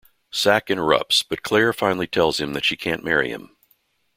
Sack interrupts, but Claire finally tells him that she can't marry him.